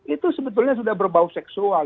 itu sebetulnya sudah berbau seksual